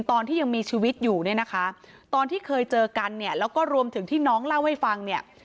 ตอนที่ยังมีชีวิตอยู่เนี่ยนะคะตอนที่เคยเจอกันเนี่ยแล้วก็รวมถึงที่น้องเล่าให้ฟังเนี่ย